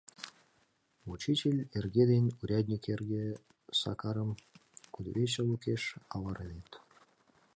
Учитель эрге ден урядник эрге Сакарым кудывече лукеш авыреныт: